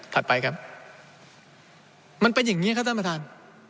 ไปครับมันเป็นอย่างนี้ครับท่านประธาน